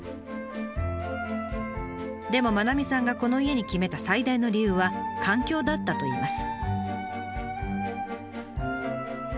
でも愛さんがこの家に決めた最大の理由は環境だったといいます。